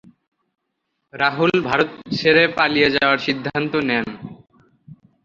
রাহুল ভারত ছেড়ে পালিয়ে যাওয়ার সিদ্ধান্ত নেন।